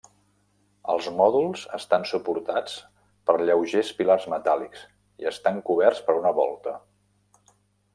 Els mòduls estan suportats per lleugers pilars metàl·lics i estan coberts per una volta.